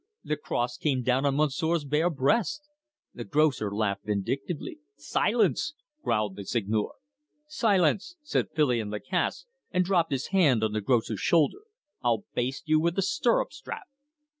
"The cross came down on Monsieur's bare breast." The grocer laughed vindictively. "Silence!" growled the Seigneur. "Silence!" said Filion Lacasse, and dropped his hand on the grocer's shoulder. "I'll baste you with a stirrup strap."